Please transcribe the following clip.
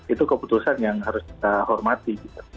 itu keputusan yang harus kita hormati